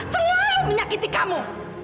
selalu menyakiti kamu